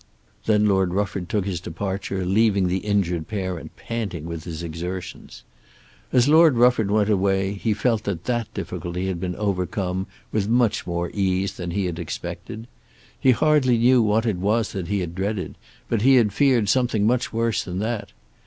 Then Lord Rufford took his departure leaving the injured parent panting with his exertions. As Lord Rufford went away he felt that that difficulty had been overcome with much more ease than he had expected. He hardly knew what it was that he had dreaded, but he had feared something much worse than that.